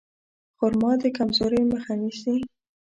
خرما د کمزورۍ مخه نیسي.